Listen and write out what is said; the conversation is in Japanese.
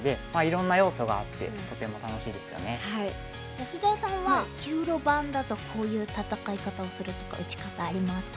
安田さんは９路盤だとこういう戦い方をするとか打ち方ありますか？